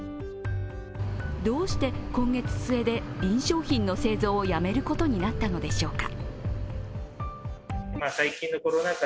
どうして、今月末で瓶商品の製造をやめることになったのでしょうか。